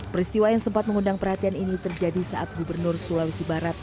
peristiwa yang sempat mengundang perhatian ini terjadi saat gubernur sulawesi barat